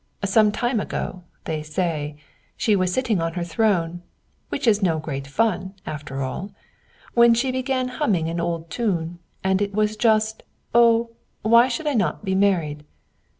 Some time ago, they say, she was sitting on her throne, which is no great fun, after all, when she began humming an old tune, and it was just 'Oh, why should I not be married?'